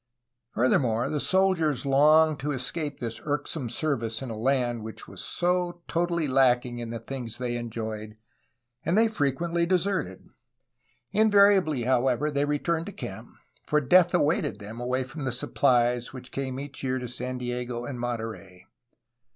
Furthermore, the soldiers longed to escape this irksome service in a land which was so totally lacking in the things they enj oyed, and they frequently deserted. Invariably, how ever, they returned to camp, for death awaited them away from the supphes which came each year to San Diego and Monterey.